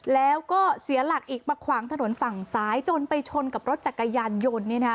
แล้วก็เสียหลักอีกมาขวางถนนฝั่งซ้ายจนไปชนกับรถจักรยานยนต์